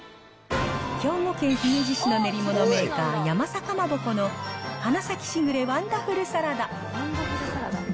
兵庫県姫路市の練り物メーカー、ヤマサ蒲鉾の花咲しぐれワンダフルサラダ。